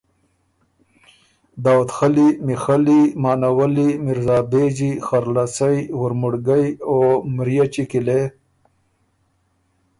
داؤدخلی، میخلی، مانولّی، مِرزابېجی، خرلڅئ، وُرمُړګئ، او مرئچی کی لې